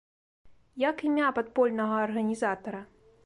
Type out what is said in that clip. Як імя падпольнага арганізатара?